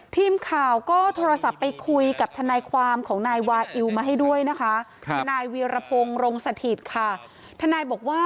ทีมข่าวก็โทรศัพท์ไปคุยกับทนายความของนายวาอิวมาให้ด้วยนะคะ